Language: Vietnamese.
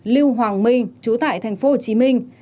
lưu hoàng minh chú tại thành phố hồ chí minh